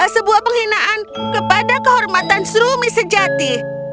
sebuah penghinaan kepada kehormatan sumi sejati